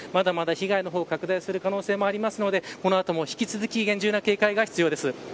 被害が拡大する可能性があるのでこの後も引き続き厳重な警戒が必要です。